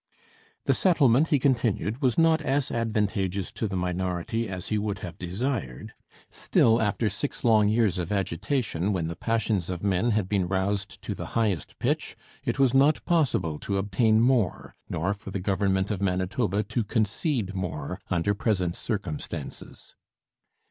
The settlement, he continued, was not as advantageous to the minority as he would have desired; 'still, after six long years of agitation, when the passions of men had been roused to the highest pitch, it was not possible to obtain more, nor for the Government of Manitoba to concede more, under present circumstances.'